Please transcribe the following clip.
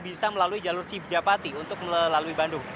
bisa melalui jalur cibijapati untuk melalui bandung